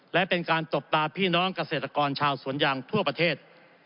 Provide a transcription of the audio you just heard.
และเป็นการตบตาพี่น้องเกษตรกรชาวสวนยางทั่วประเทศ